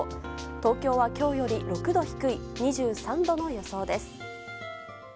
東京は今日より６度低い２３度の予想です。